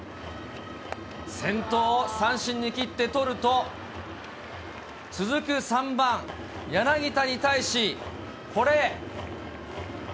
先頭を三振に切って取ると、続く３番柳田に対し、これ。